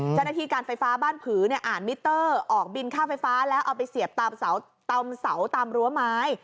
เจ้าหน้าที่การไฟฟ้าบ้านผือเนี่ยอ่านมิเตอร์ออกบินค่าไฟฟ้าแล้วเอาไปเสียบตามเสาตามรั้วไม้